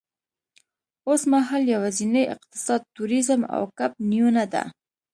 اوسمهال یوازېنی اقتصاد تورېزم او کب نیونه ده.